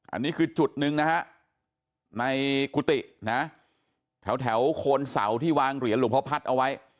อันนี้คือจุดหนึ่งนะฮะในกุฏินะแถวโคนเสาที่วางเหรียญหลวงพ่อพัฒน์เอาไว้